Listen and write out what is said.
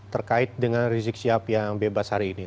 terkait dengan rizik syihab yang bebas hari ini